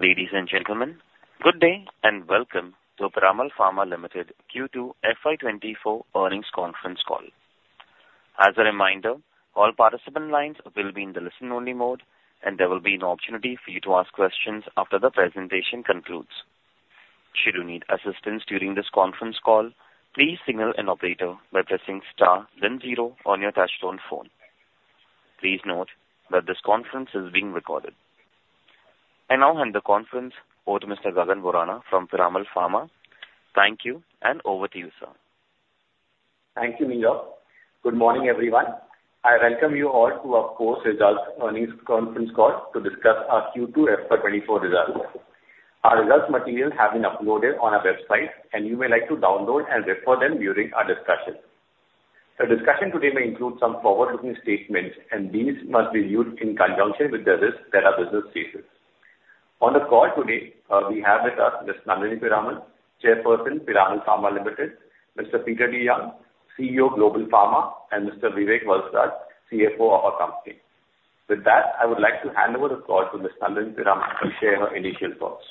Ladies and gentlemen, good day, and welcome to Piramal Pharma Limited Q2 FY24 Earnings Conference Call. As a reminder, all participant lines will be in the listen-only mode, and there will be an opportunity for you to ask questions after the presentation concludes. Should you need assistance during this conference call, please signal an operator by pressing star then zero on your touch-tone phone. Please note that this conference is being recorded. I now hand the conference over to Mr. Gagan Borana from Piramal Pharma. Thank you, and over to you, sir. Thank you, Neerav. Good morning, everyone. I welcome you all to our post-results earnings conference call to discuss our Q2 FY24 results. Our results materials have been uploaded on our website, and you may like to download and refer them during our discussion. The discussion today may include some forward-looking statements, and these must be used in conjunction with the risks that our business faces. On the call today, we have with us Ms. Nandini Piramal, Chairperson, Piramal Pharma Limited, Mr. Peter DeYoung, CEO, Global Pharma, and Mr. Vivek Valsaraj, CFO of our company. With that, I would like to hand over the call to Ms. Nandini Piramal to share her initial thoughts.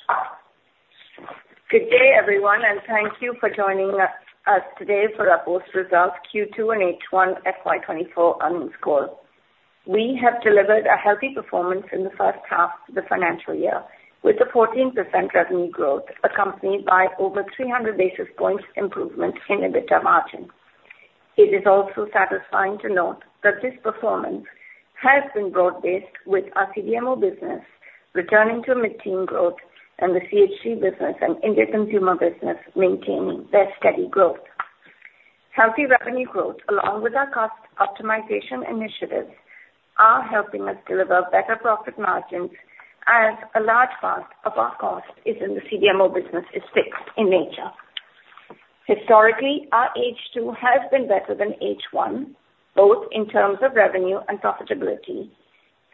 Good day, everyone, and thank you for joining us today for our post-results Q2 and H1 FY 2024 Earnings Call. We have delivered a healthy performance in the first half of the financial year, with a 14% revenue growth accompanied by over 300 basis points improvement in EBITDA margin. It is also satisfying to note that this performance has been broad-based, with our CDMO business returning to mid-teen growth and the CHG business and Indian consumer business maintaining their steady growth. Healthy revenue growth, along with our cost optimization initiatives, are helping us deliver better profit margins as a large part of our cost in the CDMO business is fixed in nature. Historically, our H2 has been better than H1, both in terms of revenue and profitability,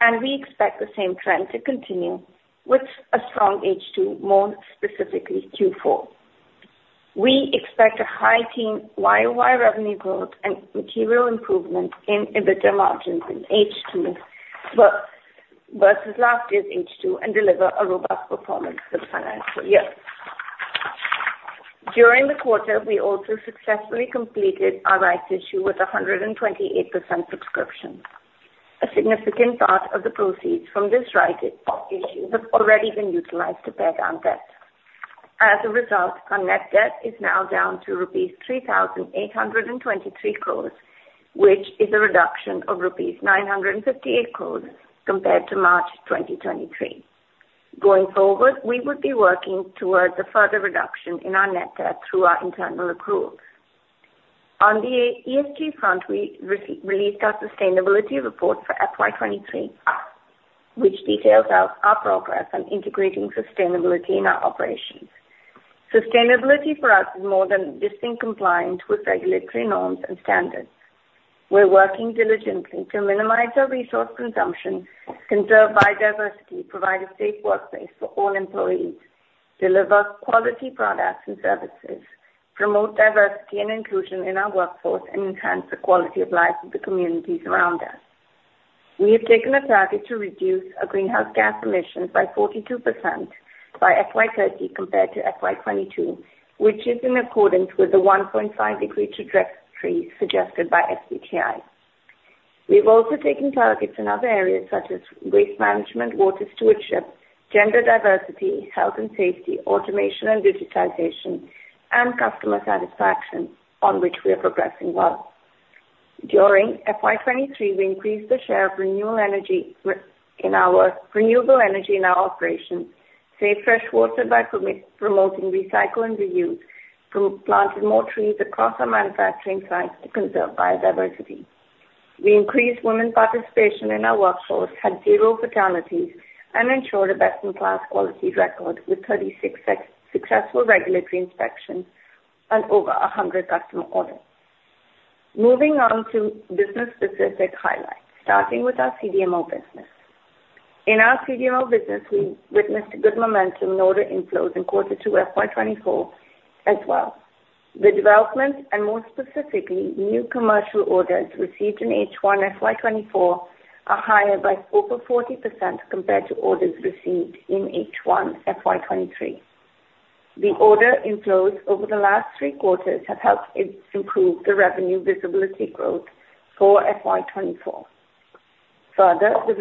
and we expect the same trend to continue with a strong H2, more specifically Q4. We expect a high-teen year-over-year revenue growth and material improvement in EBITDA margins in H2, versus last year's H2, and deliver a robust performance for the financial year. During the quarter, we also successfully completed our rights issue with a 128% subscription. A significant part of the proceeds from this rights issue has already been utilized to pay down debt. As a result, our net debt is now down to rupees 3,823 crore, which is a reduction of rupees 958 crore compared to March 2023. Going forward, we would be working towards a further reduction in our net debt through our internal approvals. On the ESG front, we re-released our sustainability report for FY 2023, which details out our progress on integrating sustainability in our operations. Sustainability for us is more than just in compliance with regulatory norms and standards. We're working diligently to minimize our resource consumption, conserve biodiversity, provide a safe workplace for all employees, deliver quality products and services, promote diversity and inclusion in our workforce, and enhance the quality of life of the communities around us. We have taken a target to reduce our greenhouse gas emissions by 42% by FY 2030 compared to FY 2022, which is in accordance with the 1.5-degree trajectory suggested by SBTi. We've also taken targets in other areas such as waste management, water stewardship, gender diversity, health and safety, automation and digitization, and customer satisfaction, on which we are progressing well. During FY 2023, we increased the share of renewable energy in our operations, saved fresh water by promoting recycling and reuse, through planting more trees across our manufacturing sites to conserve biodiversity. We increased women participation in our workforce, had zero fatalities, and ensured a best-in-class quality record with 36 successful regulatory inspections and over 100 customer orders. Moving on to business-specific highlights, starting with our CDMO business. In our CDMO business, we witnessed a good momentum in order inflows in Q2 FY 2024 as well. The development, and more specifically, new commercial orders received in H1 FY 2024, are higher by over 40% compared to orders received in H1 FY 2023. The order inflows over the last three quarters have helped improve the revenue visibility growth for FY 2024. Further, the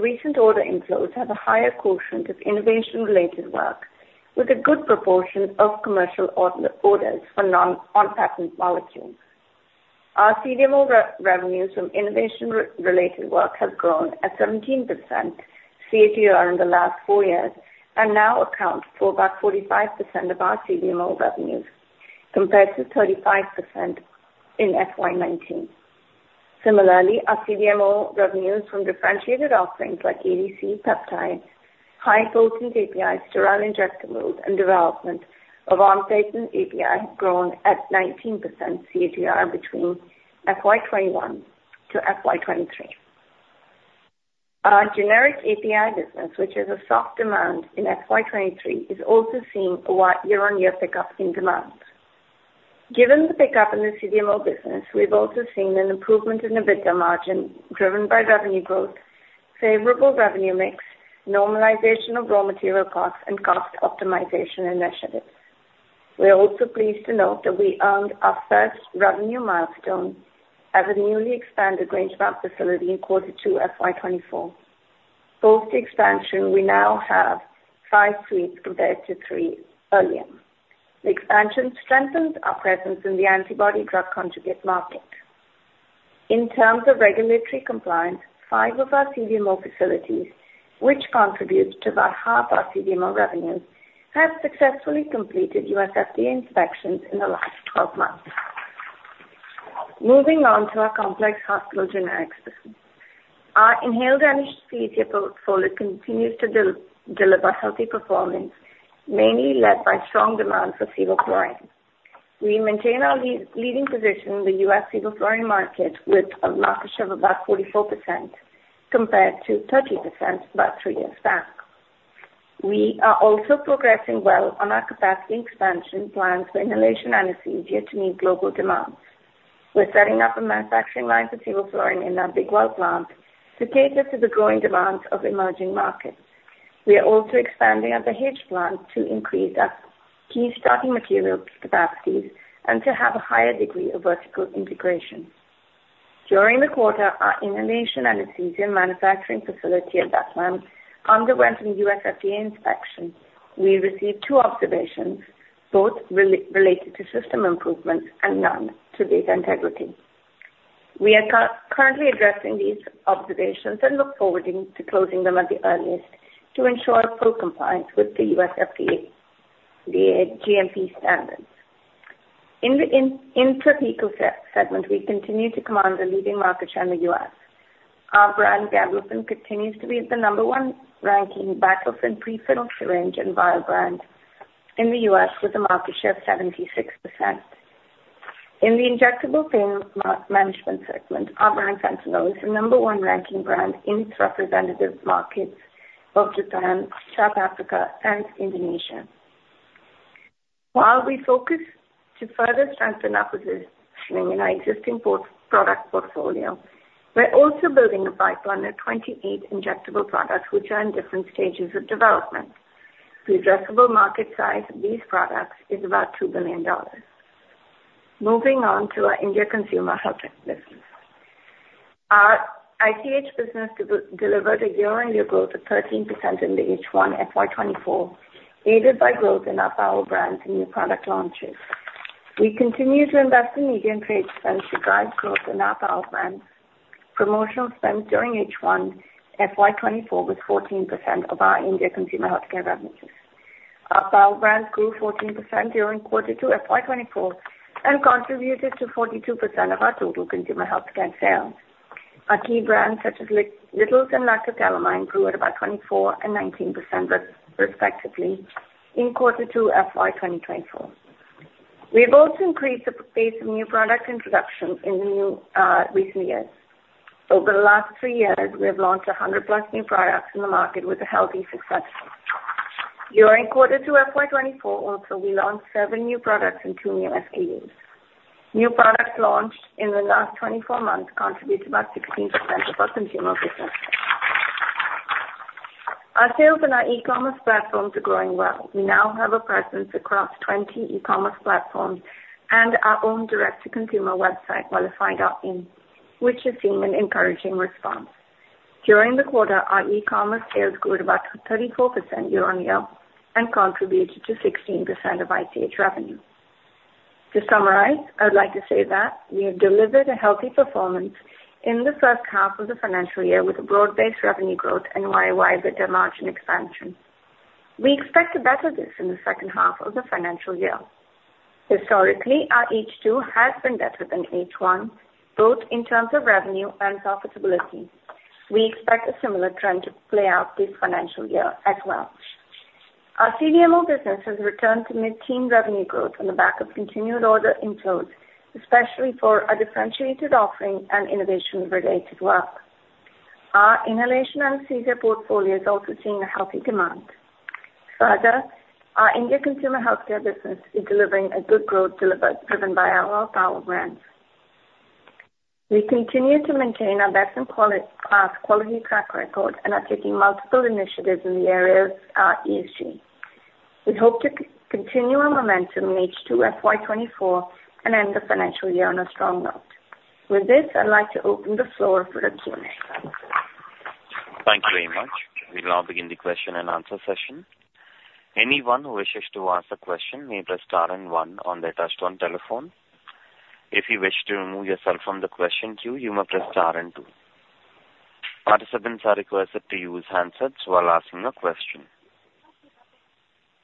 recent order inflows have a higher quotient of innovation-related work, with a good proportion of commercial orders for non... on-patent molecules. Our CDMO revenues from innovation-related work have grown at 17% CAGR in the last four years and now account for about 45% of our CDMO revenues, compared to 35% in FY 2019. Similarly, our CDMO revenues from differentiated offerings like ADC, peptides, high-potent APIs, sterile injectables, and development of on-patent API have grown at 19% CAGR between FY 2021 to FY 2023. Our generic API business, which is a soft demand in FY 2023, is also seeing a wide year-on-year pickup in demand. Given the pickup in the CDMO business, we've also seen an improvement in EBITDA margin, driven by revenue growth, favorable revenue mix, normalization of raw material costs, and cost optimization initiatives. We are also pleased to note that we earned our first revenue milestone at the newly expanded Grangemouth facility in Q2 FY 2024. Post expansion, we now have 5 suites compared to 3 earlier. The expansion strengthens our presence in the antibody drug conjugate market. In terms of regulatory compliance, 5 of our CDMO facilities, which contributes to about half our CDMO revenue, have successfully completed USFDA inspections in the last 12 months. Moving on to our complex hospital generics business. Our inhaled anesthesia portfolio continues to deliver healthy performance, mainly led by strong demand for Sevoflurane. We maintain our leading position in the U.S. Sevoflurane market, with a market share of about 44%, compared to 30% about 3 years back. We are also progressing well on our capacity expansion plans for inhalation anesthesia to meet global demands. We're setting up a manufacturing line for Sevoflurane in our Bethlehem plant to cater to the growing demands of emerging markets. We are also expanding at the Grangemouth plant to increase our key starting material capacities and to have a higher degree of vertical integration. During the quarter, our inhalation anesthesia manufacturing facility at that plant underwent a USFDA inspection. We received two observations, both related to system improvements and none to data integrity. We are currently addressing these observations and look forward to closing them at the earliest to ensure full compliance with the US FDA, the GMP standards. In the intrathecal segment, we continue to command a leading market share in the US. Our brand Baclofen continues to be the number one ranking Baclofen prefilled syringe and vial brand in the US, with a market share of 76%. In the injectable pain management segment, our brand Fentanyl is the number one ranking brand in its representative markets of Japan, South Africa, and Indonesia. While we focus to further strengthen our positioning in our existing product portfolio, we're also building a pipeline of 28 injectable products which are in different stages of development. The addressable market size of these products is about $2 billion. Moving on to our India consumer health business. Our ICH business delivered a year-on-year growth of 13% in the H1 FY 2024, aided by growth in our power brands and new product launches. We continue to invest in media and trade spend to drive growth in our power brands. Promotional spend during H1 FY 2024 was 14% of our India consumer healthcare revenues. Our power brands grew 14% during 2Q FY 2024 and contributed to 42% of our total consumer healthcare sales. Our key brands, such as Little's and Lacto Calamine, grew at about 24% and 19%, respectively, in 2Q FY 2024. We've also increased the pace of new product introduction in recent years. Over the last three years, we have launched 100+ new products in the market with healthy success. During 2Q FY 2024, also, we launched 7 new products and 2 new SKUs. New products launched in the last 24 months contribute about 16% of our consumer business. Our sales on our e-commerce platforms are growing well. We now have a presence across 20 e-commerce platforms and our own direct-to-consumer website, wellify.in, which has seen an encouraging response. During the quarter, our e-commerce sales grew about 34% year-over-year and contributed to 16% of ICH revenue. To summarize, I would like to say that we have delivered a healthy performance in the first half of the financial year with a broad-based revenue growth and year-over-year EBITDA margin expansion. We expect a better H2 in the second half of the financial year. Historically, our H2 has been better than H1, both in terms of revenue and profitability. We expect a similar trend to play out this financial year as well. Our CDMO business has returned to mid-teen revenue growth on the back of continued order inflows, especially for our differentiated offering and innovation-related work. Our inhalation anesthesia portfolio is also seeing a healthy demand. Further, our India consumer healthcare business is delivering a good growth driven by our power brands. We continue to maintain our best-in-quality quality track record and are taking multiple initiatives in the area of ESG. We hope to continue our momentum in H2 FY 2024 and end the financial year on a strong note. With this, I'd like to open the floor for the Q&A. Thank you very much. We'll now begin the question-and-answer session. Anyone who wishes to ask a question may press star and one on their touchtone telephone. If you wish to remove yourself from the question queue, you may press star and two. Participants are requested to use handsets while asking a question.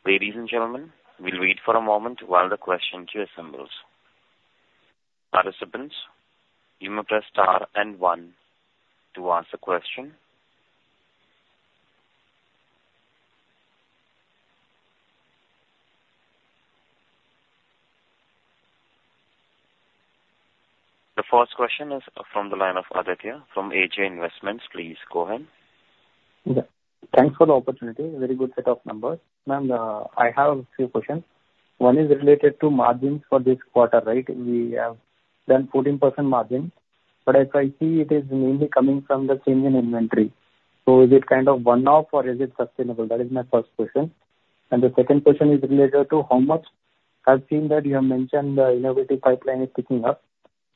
Ladies and gentlemen, we'll wait for a moment while the question queue assembles. Participants, you may press star and one to ask a question.... The first question is from the line of Aditya from AJ Investments. Please go ahead. Yeah. Thanks for the opportunity. Very good set of numbers. Ma'am, I have a few questions. One is related to margins for this quarter, right? We have done 14% margin, but as I see, it is mainly coming from the change in inventory. So is it kind of one-off or is it sustainable? That is my first question. And the second question is related to how much I've seen that you have mentioned the innovative pipeline is picking up.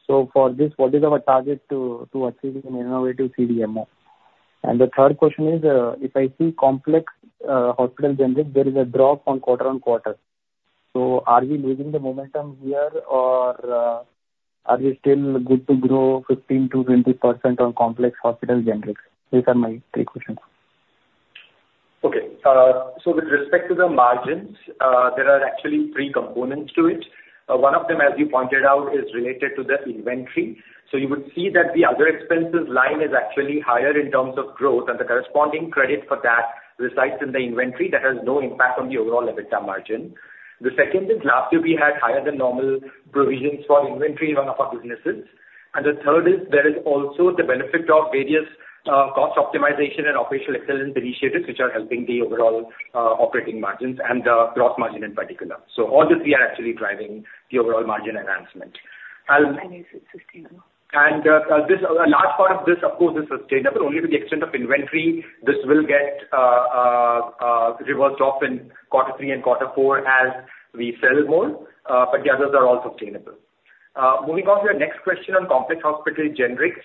So for this, what is our target to achieve an innovative CDMO? And the third question is, if I see complex hospital generics, there is a drop on quarter-on-quarter. So are we losing the momentum here or are we still good to grow 15%-20% on complex hospital generics? These are my three questions. Okay. So with respect to the margins, there are actually three components to it. One of them, as you pointed out, is related to the inventory. So you would see that the other expenses line is actually higher in terms of growth, and the corresponding credit for that resides in the inventory. That has no impact on the overall EBITDA margin. The second is last year, we had higher than normal provisions for inventory, one of our businesses. And the third is there is also the benefit of various, cost optimization and operational excellence initiatives, which are helping the overall, operating margins and the gross margin in particular. So all the three are actually driving the overall margin enhancement. Is it sustainable? A large part of this, of course, is sustainable only to the extent of inventory. This will get reversed off in 3Q and 4Q as we sell more, but the others are all sustainable. Moving on to your next question on complex hospital generics.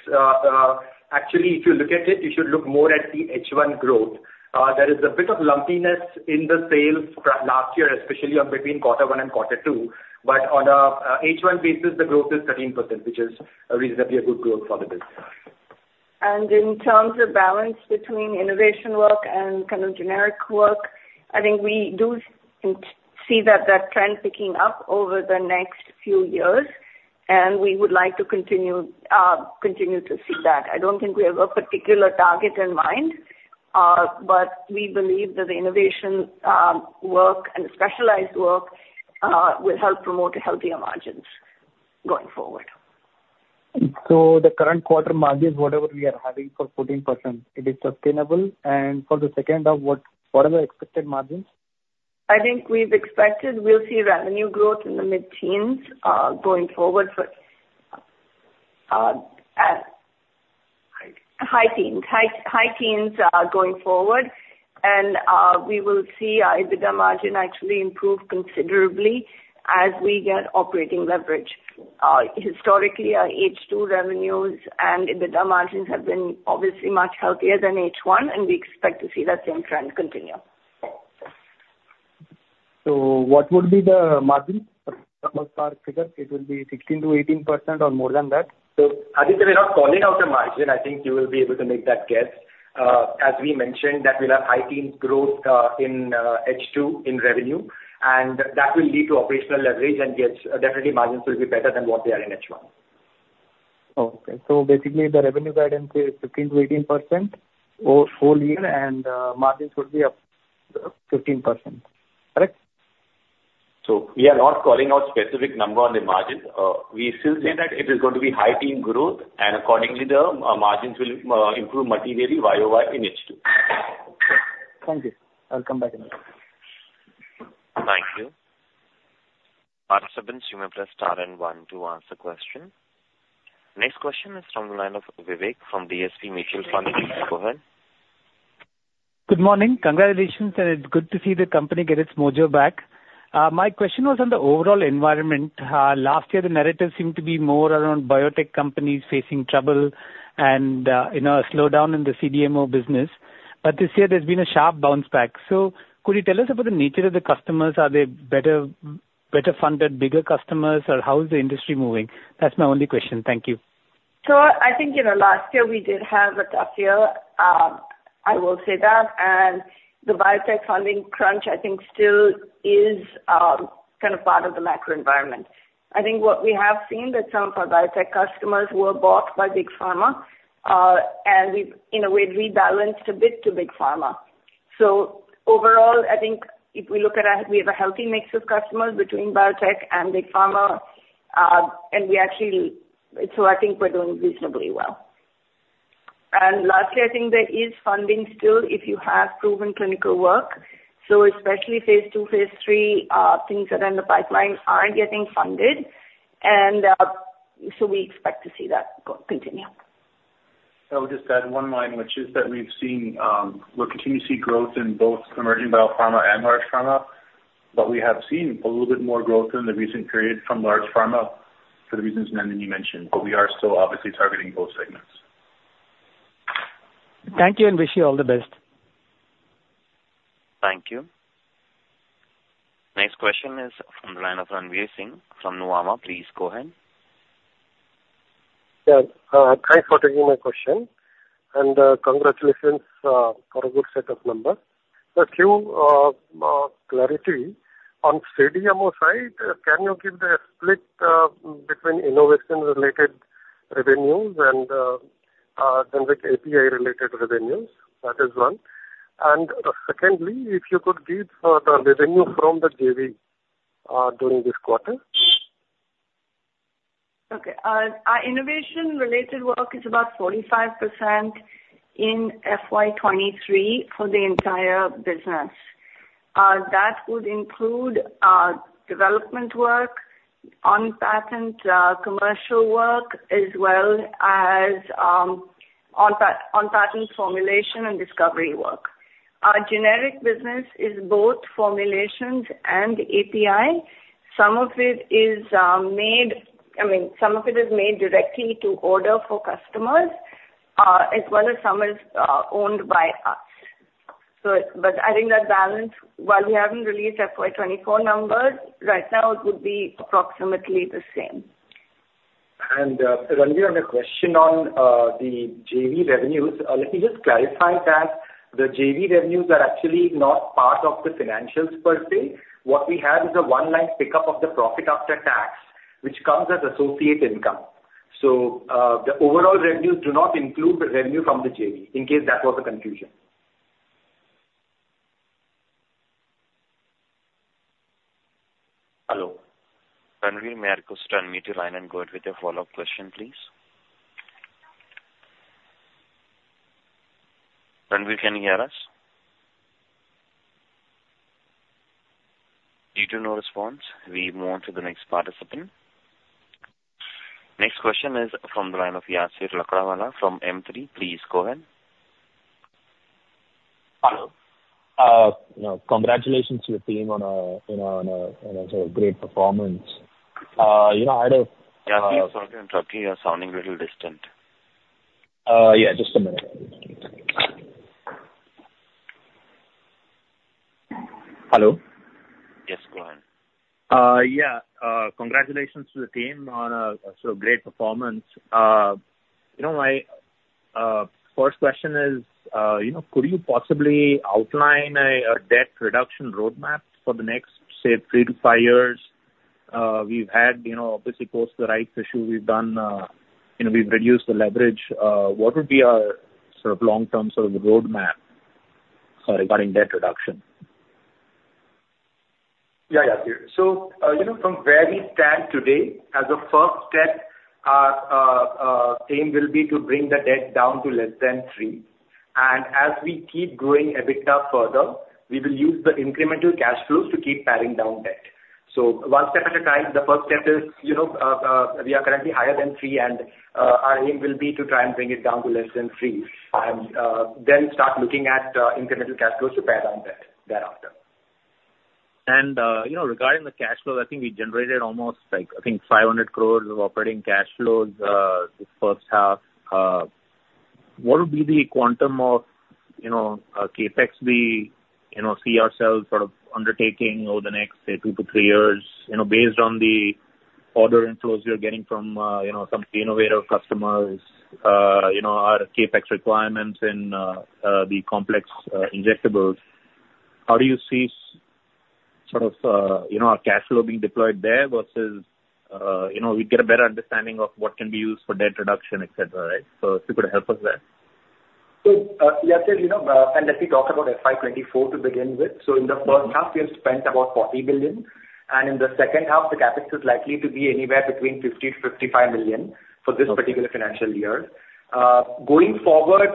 Actually, if you look at it, you should look more at the H1 growth. There is a bit of lumpiness in the sales last year, especially on between 1Q and Q2, but on a H1 basis, the growth is 13%, which is a reasonably good growth for the business. In terms of balance between innovation work and kind of generic work, I think we do see that trend picking up over the next few years, and we would like to continue to see that. I don't think we have a particular target in mind, but we believe that the innovation work and specialized work will help promote healthier margins going forward. The current quarter margins, whatever we are having for 14%, it is sustainable. For the second half, what are the expected margins? I think we've expected we'll see revenue growth in the mid-teens going forward for high teens, high, high teens going forward. And we will see our EBITDA margin actually improve considerably as we get operating leverage. Historically, our H2 revenues and EBITDA margins have been obviously much healthier than H1, and we expect to see that same trend continue. So what would be the margin for our figure? It will be 16%-18% or more than that? So Aditya, we're not calling out the margin. I think you will be able to make that guess. As we mentioned, that we'll have high teens growth in H2 in revenue, and that will lead to operational leverage and yes, definitely margins will be better than what they are in H1. Okay. So basically, the revenue guidance is 15%-18% for full year, and margins would be up 15%, correct? We are not calling out specific number on the margins. We still say that it is going to be high-teen growth, and accordingly, the margins will improve materially YOY in H2. Okay. Thank you. I'll come back in. Thank you. Participants, you may press star and one to answer question. Next question is from the line of Vivek from DSP Mutual Fund. Please go ahead. Good morning. Congratulations, and it's good to see the company get its mojo back. My question was on the overall environment. Last year, the narrative seemed to be more around biotech companies facing trouble and, you know, a slowdown in the CDMO business. But this year there's been a sharp bounce back. So could you tell us about the nature of the customers? Are they better, better funded, bigger customers, or how is the industry moving? That's my only question. Thank you. So I think, you know, last year we did have a tough year. I will say that. The biotech funding crunch, I think, still is, kind of part of the macro environment. I think what we have seen that some of our biotech customers were bought by Big Pharma, and we've, in a way, rebalanced a bit to Big Pharma. So overall, I think if we look at it, we have a healthy mix of customers between biotech and Big Pharma. So I think we're doing reasonably well. Lastly, I think there is funding still if you have proven clinical work. So especially phase II, phase III, things that are in the pipeline are getting funded, and, so we expect to see that continue. I would just add one line, which is that we've seen, we're continuing to see growth in both emerging biopharma and large pharma, but we have seen a little bit more growth in the recent period from large pharma for the reasons, Nandini, you mentioned, but we are still obviously targeting both segments. Thank you, and wish you all the best. Thank you. Next question is from the line of Ranvir Singh from Nuvama. Please go ahead. Yeah, thanks for taking my question, and, congratulations, for a good set of numbers. So a few, clarity on CDMO side, can you give the split, between innovation-related revenues and, generic API related revenues, that is one. Secondly, if you could give the revenue from the JV during this quarter. Okay. Our innovation related work is about 45% in FY 2023 for the entire business. That would include development work, on-patent, commercial work, as well as on-patent formulation and discovery work. Our generic business is both formulations and API. Some of it is, I mean, some of it is made directly to order for customers, as well as some is owned by us. I think that balance, while we haven't released FY 2024 numbers, right now, it would be approximately the same. Ranvir, on a question on the JV revenues, let me just clarify that the JV revenues are actually not part of the financials per se. What we have is a one-line pickup of the profit after tax, which comes as associate income. So, the overall revenues do not include the revenue from the JV, in case that was a confusion. Hello. Ranvir, may I request you unmute your line and go ahead with your follow-up question, please? Ranvir, can you hear us? Due to no response, we move on to the next participant. Next question is from the line of Yasser Lakdawala from M3. Please go ahead. Hello. You know, congratulations to the team on a great performance. You know, I had a- Yasser, sorry to interrupt you. You're sounding a little distant. Yeah, just a minute. Hello? Yes, go ahead. Yeah. Congratulations to the team on a great performance. You know, my first question is, you know, could you possibly outline a debt reduction roadmap for the next, say, three to five years? We've had, you know, obviously, post the rights issue, we've done, you know, we've reduced the leverage. What would be our sort of long-term sort of roadmap for regarding debt reduction? Yeah, Yasser. You know, from where we stand today, as a first step, our aim will be to bring the debt down to less than 3. As we keep growing EBITDA further, we will use the incremental cash flows to keep paring down debt. One step at a time, the first step is, you know, we are currently higher than 3, and our aim will be to try and bring it down to less than 3, and then start looking at incremental cash flows to pare down debt thereafter. You know, regarding the cash flows, I think we generated almost, I think, 500 crore of operating cash flows this first half. What would be the quantum of, you know, CapEx we, you know, see ourselves sort of undertaking over the next, say, two to three years? You know, based on the order inflows you're getting from, you know, some innovative customers, you know, our CapEx requirements and the complex injectables. How do you see sort of, you know, our cash flow being deployed there versus, you know, we get a better understanding of what can be used for debt reduction, et cetera, right? If you could help us there. Yasser, you know, and let me talk about FY 2024 to begin with. In the first half, we have spent about $40 million, and in the second half, the CapEx is likely to be anywhere between $50-$55 million for this particular financial year. Going forward,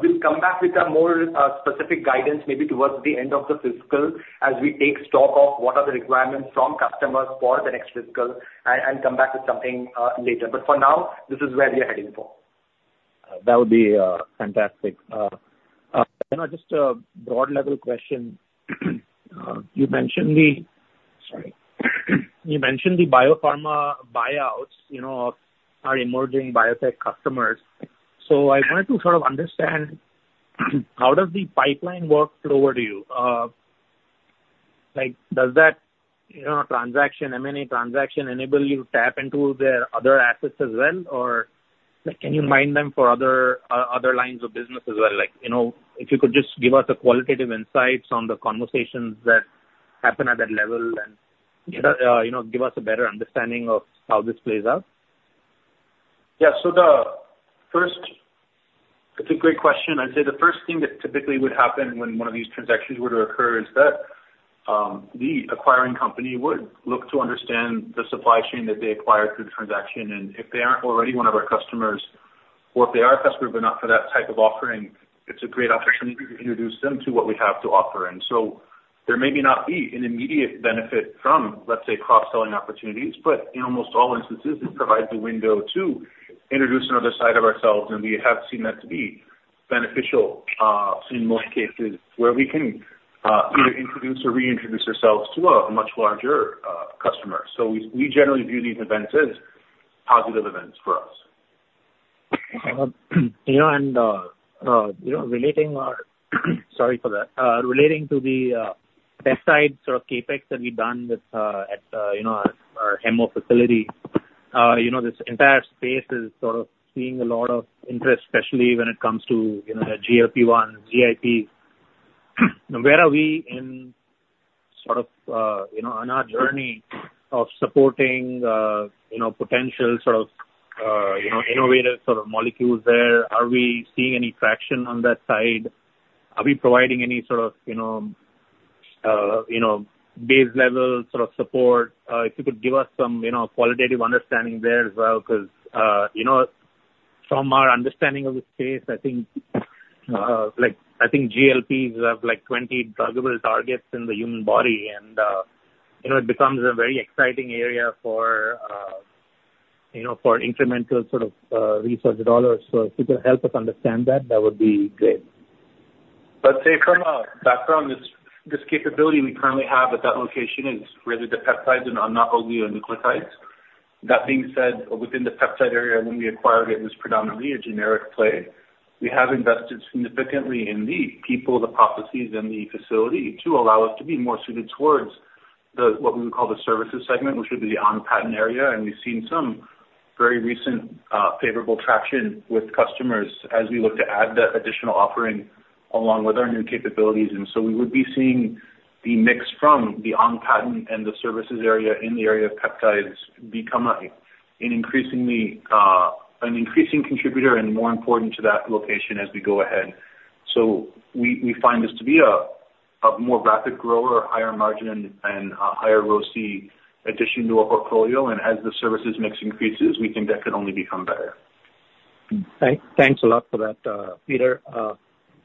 we'll come back with a more specific guidance, maybe towards the end of the fiscal, as we take stock of what are the requirements from customers for the next fiscal, and come back with something later. But for now, this is where we are heading for. That would be fantastic. You know, just a broad level question. You mentioned the... Sorry. You mentioned the biopharma buyouts, you know, of our emerging biotech customers. So I wanted to sort of understand, how does the pipeline work flow to you? Like, does that, you know, transaction, M&A transaction, enable you to tap into their other assets as well? Or, like, can you mine them for other, other lines of business as well? Like, you know, if you could just give us a qualitative insights on the conversations that happen at that level and get a, you know, give us a better understanding of how this plays out. Yeah. It's a great question. I'd say the first thing that typically would happen when one of these transactions were to occur is that, the acquiring company would look to understand the supply chain that they acquired through the transaction, and if they aren't already one of our customers, or if they are a customer, but not for that type of offering, it's a great opportunity to introduce them to what we have to offer. And so there may not be an immediate benefit from, let's say, cross-selling opportunities, but in almost all instances, it provides a window to introduce another side of ourselves, and we have seen that to be beneficial, in most cases, where we can, either introduce or reintroduce ourselves to a much larger customer. So we generally view these events as positive events for us. You know, and, you know, relating our, sorry for that. Relating to the peptide sort of CapEx that we've done with, at, you know, our Hemmo facility. You know, this entire space is sort of seeing a lot of interest, especially when it comes to, you know, the GLP-1, GIP. Where are we in the sort of, you know, on our journey of supporting, you know, potential sort of, you know, innovative sort of molecules there, are we seeing any traction on that side? Are we providing any sort of, you know, base level sort of support? If you could give us some, you know, qualitative understanding there as well, 'cause, you know, from our understanding of the space, I think, like, I think GLPs have, like, 20 druggable targets in the human body, and, you know, it becomes a very exciting area for, you know, for incremental sort of, research dollars. So if you could help us understand that, that would be great. But say from a background, this, this capability we currently have at that location is really the peptides and are not only nucleotides. That being said, within the peptide area, when we acquired it, it was predominantly a generic play. We have invested significantly in the people, the processes, and the facility to allow us to be more suited towards the, what we would call the services segment, which would be the on-patent area. And we've seen some very recent, favorable traction with customers as we look to add the additional offering along with our new capabilities. And so we would be seeing the mix from the on-patent and the services area in the area of peptides become, an increasingly, an increasing contributor and more important to that location as we go ahead. We find this to be a more rapid grower, higher margin, and higher ROC addition to our portfolio. As the services mix increases, we think that can only become better. Thanks a lot for that, Peter.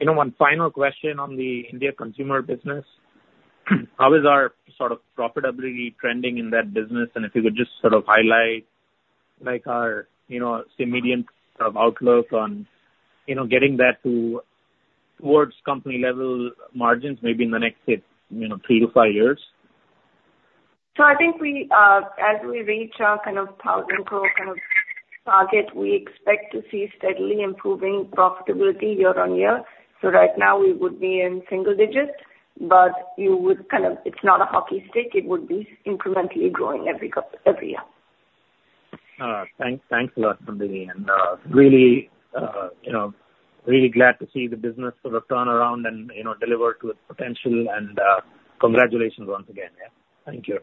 You know, one final question on the India consumer business. How is our sort of profitability trending in that business? And if you could just sort of highlight, like, our, you know, say, medium sort of outlook on, you know, getting that to towards company level margins, maybe in the next, say, you know, 3-5 years. So I think we, as we reach our kind of 1,000 crore kind of target, we expect to see steadily improving profitability year on year. So right now we would be in single digits, but you would kind of... It's not a hockey stick, it would be incrementally growing every year. Thank, thanks a lot, Nandini and, you know, really glad to see the business sort of turn around and, you know, deliver to its potential. Congratulations once again. Yeah. Thank you.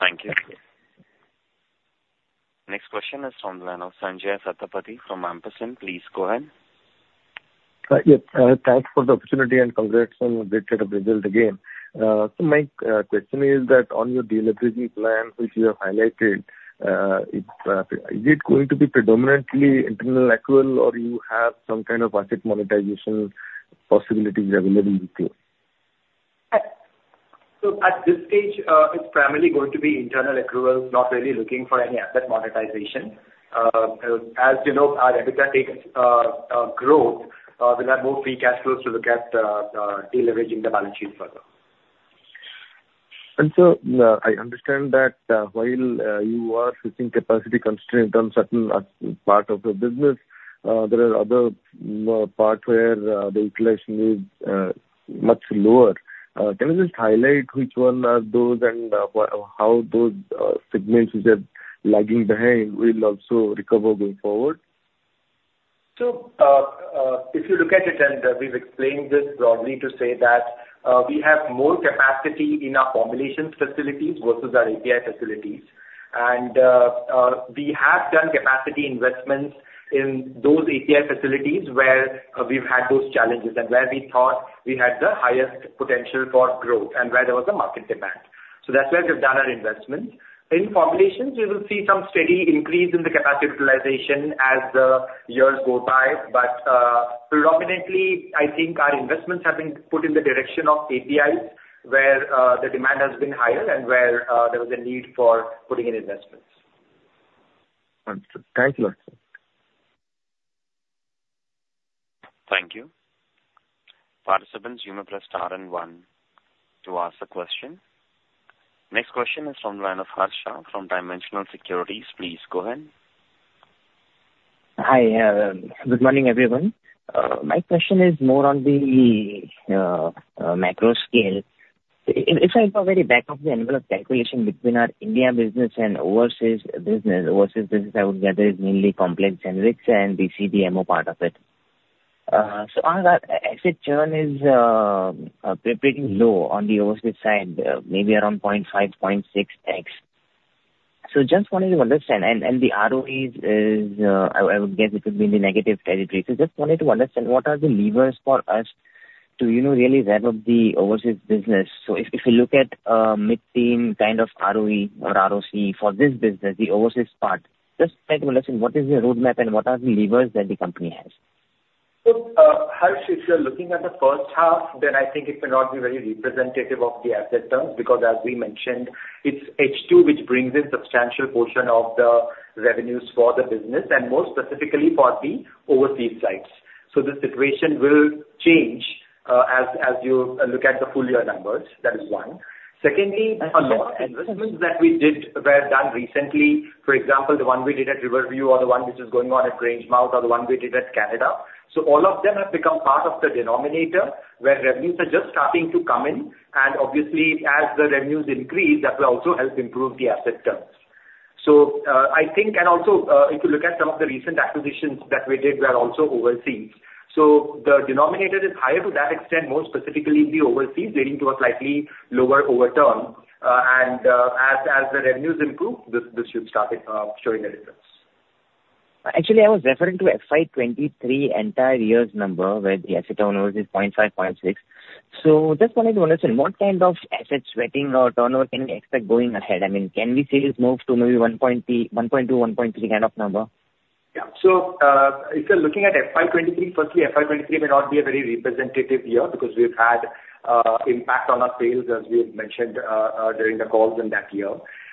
Thank you. Next question is from the line of Sanjaya Satapathy from Ampersand. Please go ahead. Yep, thanks for the opportunity and congrats on the set of results again. So my question is that on your de-leveraging plan, which you have highlighted, it's, is it going to be predominantly internal accrual, or you have some kind of asset monetization possibilities available with you? So at this stage, it's primarily going to be internal accruals, not really looking for any asset monetization. As you know, our EBITDA growth will have more free cash flows to look at, de-leveraging the balance sheet further. I understand that while you are facing capacity constraints on certain part of the business, there are other parts where the utilization is much lower. Can you just highlight which one are those and how those segments which are lagging behind will also recover going forward? So, if you look at it, and, we've explained this broadly to say that, we have more capacity in our formulations facilities versus our API facilities. And, we have done capacity investments in those API facilities where, we've had those challenges and where we thought we had the highest potential for growth and where there was a market demand. So that's where we've done our investments. In formulations, we will see some steady increase in the capacity utilization as the years go by. But, predominantly, I think our investments have been put in the direction of APIs, where, the demand has been higher and where, there was a need for putting in investments. Thank you. Thank you. Participants, you may press star and one to ask a question. Next question is from the line of Harsh Shah from Dimensional Securities. Please go ahead. Hi, good morning, everyone. My question is more on the macro scale. If I do a very back of the envelope calculation between our India business and overseas business, overseas business, I would gather, is mainly complex generics and the CDMO part of it. So on that, asset churn is pretty low on the overseas side, maybe around 0.5, 0.6x. So just wanted to understand, and the ROEs is, I would guess it would be in the negative territory. So just wanted to understand, what are the levers for us to, you know, really rev up the overseas business? So if you look at mid-teen kind of ROE or ROC for this business, the overseas part, just try to understand what is the roadmap and what are the levers that the company has. Harsh, if you're looking at the first half, I think it may not be very representative of the asset turns, because as we mentioned, it's H2 which brings in a substantial portion of the revenues for the business and more specifically for the overseas sites. The situation will change as you look at the full year numbers. That is one. Secondly, a lot of investments that we did were done recently, for example, the one we did at Riverview, or the one which is going on at Grangemouth, or the one we did at Canada. All of them have become part of the denominator, where revenues are just starting to come in, and obviously as the revenues increase, that will also help improve the asset terms. I think, and also, if you look at some of the recent acquisitions that we did, were also overseas. The denominator is higher to that extent, more specifically in the overseas, leading to a slightly lower overturn. As the revenues improve, this should start showing a difference. Actually, I was referring to FY 23 entire year's number, where the asset turnovers is 0.5, 0.6. So just wanted to understand, what kind of asset sweating or turnover can we expect going ahead? I mean, can we say it moves to maybe 1.0, 1.2, 1.3 kind of number? Yeah. So, if you're looking at FY 2023, firstly, FY 2023 may not be a very representative year, because we've had impact on our sales, as we had mentioned during the calls in that year.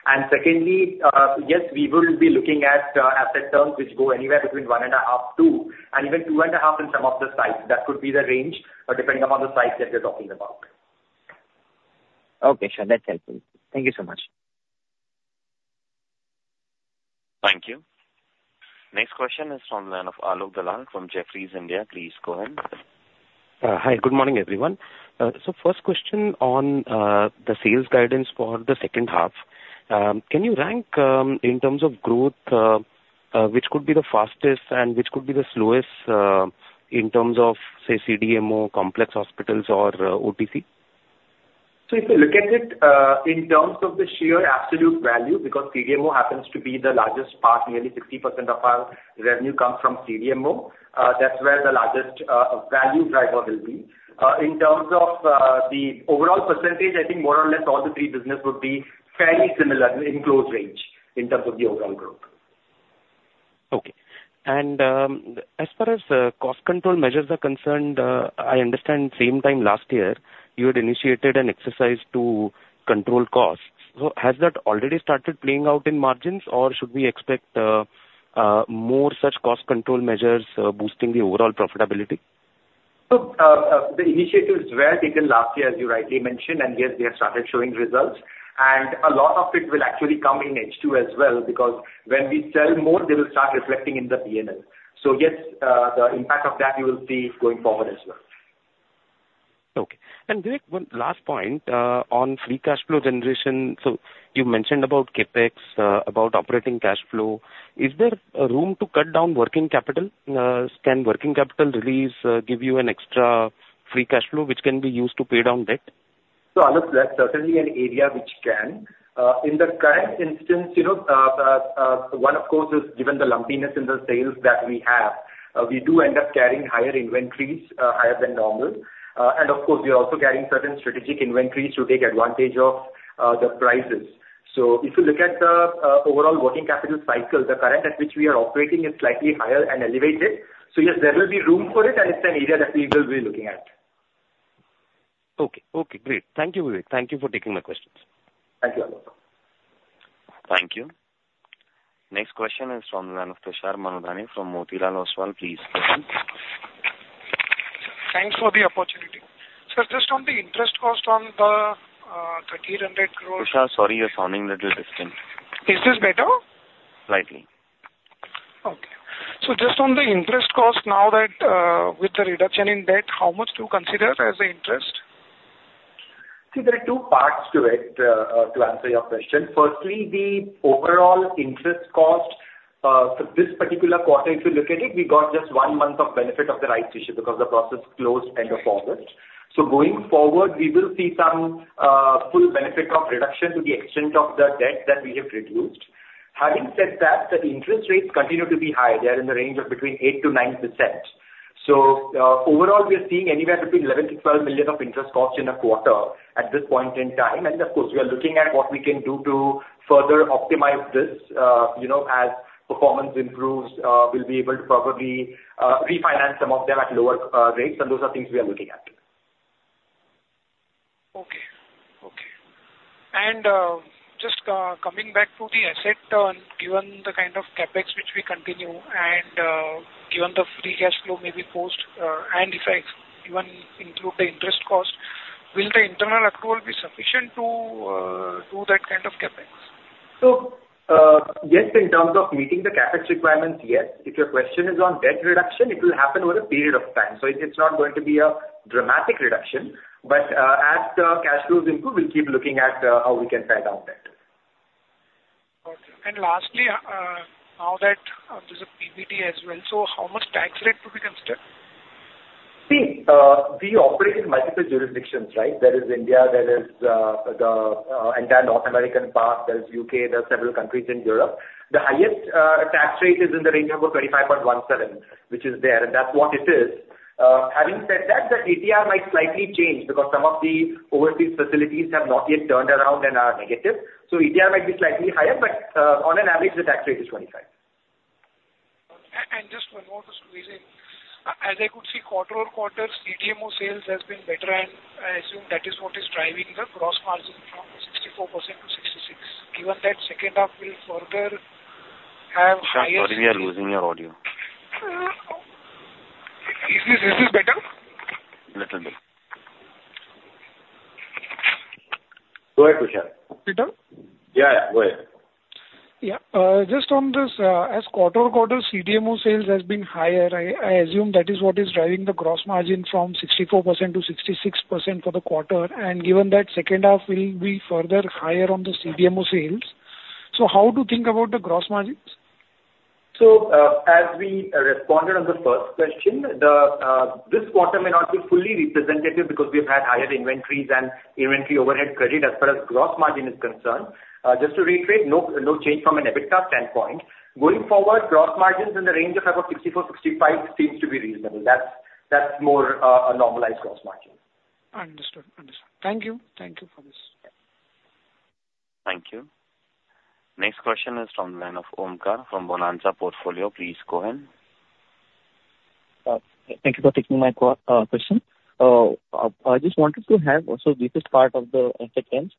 And secondly, yes, we will be looking at asset terms which go anywhere between 1.5, 2, and even 2.5 in some of the sites. That could be the range, depending upon the size that you're talking about. Okay, sure. That's helpful. Thank you so much. Thank you. Next question is from Alok Dalal from Jefferies, India. Please go ahead. Hi, good morning, everyone. First question on the sales guidance for the second half. Can you rank, in terms of growth, which could be the fastest and which could be the slowest, in terms of, say, CDMO, complex hospitals, or OTC? So if you look at it, in terms of the sheer absolute value, because CDMO happens to be the largest part, nearly 60% of our revenue comes from CDMO, that's where the largest value driver will be. In terms of the overall percentage, I think more or less all the three business would be fairly similar, in close range, in terms of the overall growth. Okay. And, as far as cost control measures are concerned, I understand same time last year, you had initiated an exercise to control costs. So has that already started playing out in margins, or should we expect more such cost control measures boosting the overall profitability? So, the initiatives were taken last year, as you rightly mentioned, and yes, they have started showing results. A lot of it will actually come in H2 as well, because when we sell more, they will start reflecting in the PNL. So yes, the impact of that you will see going forward as well. Okay. Vivek, one last point on free cash flow generation. You mentioned about CapEx, about operating cash flow. Is there a room to cut down working capital? Can working capital release give you an extra free cash flow, which can be used to pay down debt? So Alok, that's certainly an area which can. In the current instance, you know, one, of course, is given the lumpiness in the sales that we have, we do end up carrying higher inventories, higher than normal. And of course, we are also carrying certain strategic inventories to take advantage of the prices. So if you look at the overall working capital cycle, the current at which we are operating is slightly higher and elevated. So yes, there will be room for it, and it's an area that we will be looking at. Okay. Okay, great. Thank you, Vivek. Thank you for taking my questions. Thank you, Alok. Thank you. Next question is from the line of Tushar Manudhane from Motilal Oswal. Please go ahead. Thanks for the opportunity. Sir, just on the interest cost on the 3,000 crore- Tushar, sorry, you're sounding a little distant. Is this better? Slightly. Okay. So just on the interest cost, now that, with the reduction in debt, how much do you consider as the interest? See, there are two parts to it, to answer your question. Firstly, the overall interest cost, for this particular quarter, if you look at it, we got just one month of benefit of the right issue because the process closed end of August. So going forward, we will see some, full benefit of reduction to the extent of the debt that we have reduced. Having said that, the interest rates continue to be high. They are in the range of between 8%-9%. So, overall, we are seeing anywhere between 11-12 million of interest costs in a quarter at this point in time, and of course, we are looking at what we can do to further optimize this. You know, as performance improves, we'll be able to probably refinance some of them at lower rates, and those are things we are looking at. Okay. Okay. And just coming back to the asset turn, given the kind of CapEx which we continue and given the free cash flow maybe post and if I even include the interest cost, will the internal accrual be sufficient to do that kind of CapEx? So, yes, in terms of meeting the CapEx requirements, yes. If your question is on debt reduction, it will happen over a period of time. So it's not going to be a dramatic reduction, but, as the cash flows improve, we'll keep looking at, how we can pay down debt. Okay. And lastly, now that there's a PBT as well, so how much tax rate to be considered? See, we operate in multiple jurisdictions, right? There is India, there is the entire North American part, there is UK, there are several countries in Europe. The highest tax rate is in the range of about 25.17%, which is there, and that's what it is. Having said that, the ETR might slightly change because some of the overseas facilities have not yet turned around and are negative. So ETR might be slightly higher, but on an average, the tax rate is 25%. Just one more to squeeze in. As I could see, quarter-over-quarter, CDMO sales has been better, and I assume that is what is driving the gross margin from 64% to 66%. Given that second half will further have higher- Tushar, sorry, we are losing your audio. Is this better? Little bit. Go ahead, Tushar. Better? Yeah, yeah. Go ahead. Yeah, just on this-quarter-over-quarter CDMO sales has been higher. I assume that is what is driving the gross margin from 64% to 66% for the quarter, and given that second half will be further higher on the CDMO sales. So how to think about the gross margins? So, as we responded on the first question, this quarter may not be fully representative because we've had higher inventories and inventory overhead credit as far as gross margin is concerned. Just to reiterate, no, no change from an EBITDA standpoint. Going forward, gross margins in the range of about 64%-65% seems to be reasonable. That's, that's more, a normalized gross margin. Understood. Understood. Thank you. Thank you for this. Thank you. Next question is from the line of Omkar from Bonanza Portfolio. Please go ahead. Thank you for taking my question. I just wanted to have also... this is part of the asset turns.